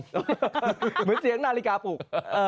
เหมือนเสียงนาฬิกาปลูก